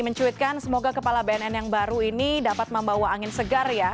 mencuitkan semoga kepala bnn yang baru ini dapat membawa angin segar ya